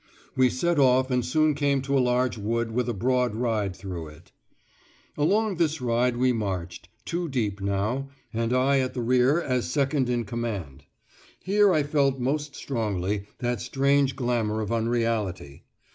We set off and soon came to a large wood with a broad ride through it. Along this ride we marched, two deep now, and I at the rear as second in command. Here I felt most strongly that strange glamour of unreality.